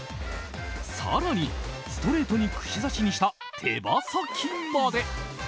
更に、ストレートに串刺しにした手羽先まで。